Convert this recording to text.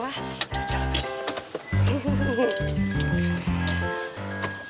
udah jalan aja